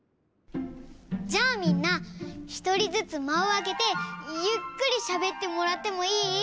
じゃあみんなひとりずつまをあけてゆっくりしゃべってもらってもいい？